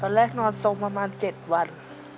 ตอนแรกนอนทรงประมาณ๗วัน